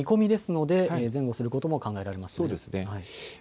これは見込みですので前後することも考えられます。